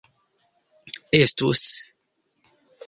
estus